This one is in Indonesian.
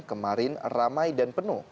kemarin ramai dan penuh